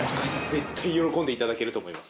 絶対喜んで頂けると思います。